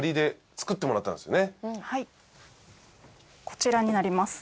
こちらになります。